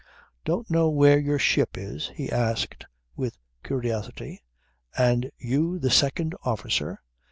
"Don't know where your ship is?" he asked with curiosity. "And you the second officer!